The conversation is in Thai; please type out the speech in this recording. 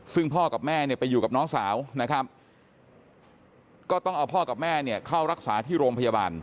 ซึ่งพ่อกับแม่เนี่ยไปอยู่กับน้องสาวนะครับก็ต้องเอาพ่อกับแม่เนี่ยเข้ารักษาที่โรงพยาบาล